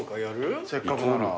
せっかくなら。